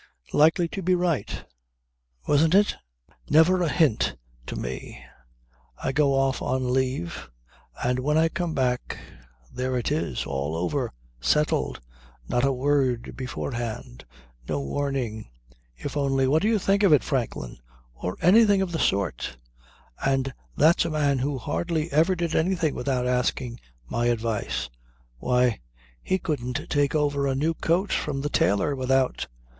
Phoo! Likely to be right wasn't it? Never a hint to me. I go off on leave and when I come back, there it is all over, settled! Not a word beforehand. No warning. If only: 'What do you think of it, Franklin?' or anything of the sort. And that's a man who hardly ever did anything without asking my advice. Why! He couldn't take over a new coat from the tailor without